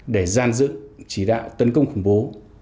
để gian dựng chỉ đạo tấn công khủng bố